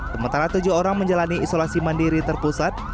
sementara tujuh orang menjalani isolasi mandiri terpusat